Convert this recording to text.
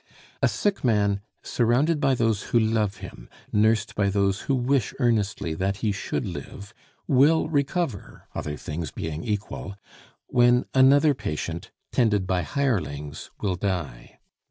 A sick man, surrounded by those who love him, nursed by those who wish earnestly that he should live, will recover (other things being equal), when another patient tended by hirelings will die.